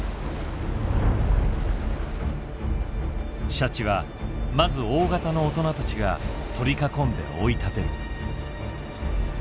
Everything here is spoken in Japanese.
シャチはまず大型の大人たちが取り囲んで追い立てる。